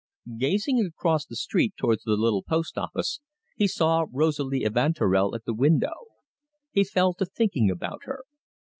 Gazing across the street towards the little post office, he saw Rosalie Evanturel at the window. He fell to thinking about her.